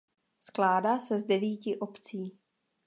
Skládá se z devíti obcí.